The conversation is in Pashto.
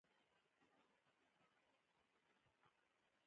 کلتور د افغانستان د طبیعت برخه ده.